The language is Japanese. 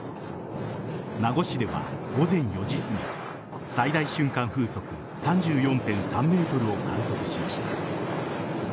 名護市では午前４時すぎ最大瞬間風速３４．３メートルを観測しました。